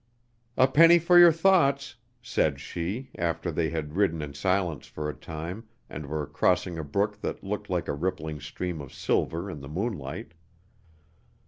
"A penny for your thoughts," said she, after they had ridden in silence for a time, and were crossing a brook that looked like a rippling stream of silver in the moonlight.